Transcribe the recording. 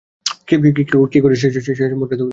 কী করেছিস সে সম্পর্কে তোর কোনো ধারণা আছে?